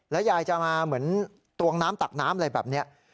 ยายจะมาเหมือนตวงน้ำตักน้ำอะไรแบบนี้